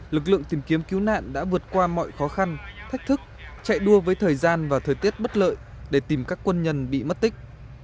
lực lượng tìm kiếm cứu nạn đã vượt qua mọi khó khăn thách thức chạy đua với thời gian và thời tiết bất lợi để tìm các quân nhân bị mất tích